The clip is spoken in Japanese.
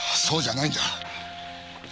そうじゃないんだ。